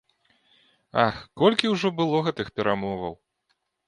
Ах, колькі ўжо было гэтых перамоваў!